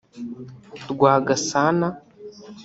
Rwagasana